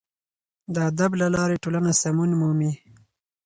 د ادب له لارې ټولنه سمون مومي.